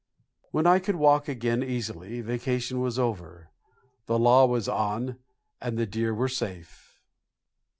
When I could walk again easily vacation was over, the law was on, and the deer were safe.